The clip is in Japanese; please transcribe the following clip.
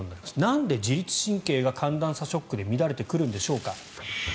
なんで自律神経が寒暖差ショックで乱れてくるんでしょうか。